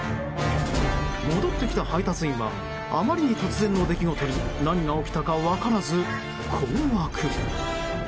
戻ってきた配達員はあまりに突然の出来事に何が起きたか分からず困惑。